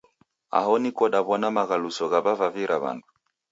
Aho niko daw'ona maghaluso ghaw'avavira w'andu.